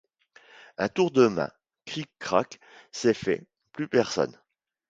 Un tour de main, cric, crac, c’est fait, plus personne.